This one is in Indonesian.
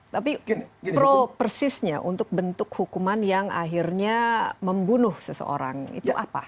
tapi pro persisnya untuk bentuk hukuman yang akhirnya membunuh seseorang itu apa